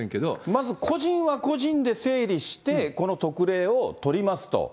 まず個人は個人で整理して、この特例を取りますと。